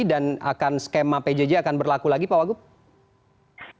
dan akan skema pjj akan berlaku lagi pak wagub